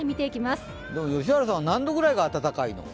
良原さんは何度くらいが暖かいの？